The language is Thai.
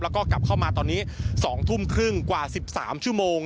แล้วก็กลับเข้ามาตอนนี้๒ทุ่มครึ่งกว่า๑๓ชั่วโมง